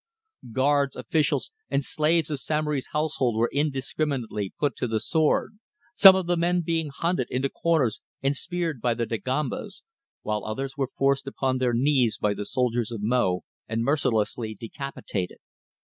Guards, officials and slaves of Samory's household were indiscriminately put to the sword, some of the men being hunted into corners and speared by the Dagombas, while others were forced upon their knees by the soldiers of Mo and mercilessly decapitated.